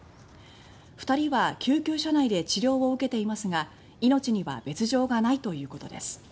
２人は救急車内で治療を受けていますが命には別状がないということです。